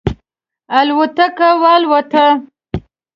الوتکه والوته.